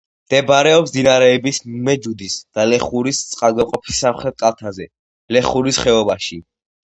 მდებარეობს მდინარეების მეჯუდის და ლეხურის წყალგამყოფის სამხრეთ კალთაზე, ლეხურის ხეობაში.